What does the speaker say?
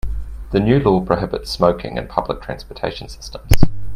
The new law prohibits smoking in public transportation systems.